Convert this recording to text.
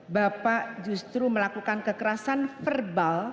bapak justru melakukan kekerasan verbal